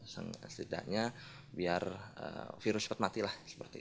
setidaknya biar virus cepat mati lah